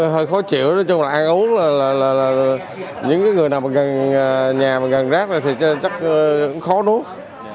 hơi khó chịu nói chung là ăn uống là những người nào nhà gần rác này thì chắc khó nuốt